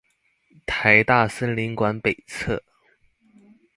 臺大森林館北側